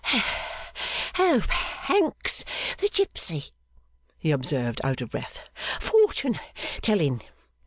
'Pancks the gipsy,' he observed out of breath, 'fortune telling.